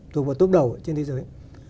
thuộc vào tốp đầu trên thế giới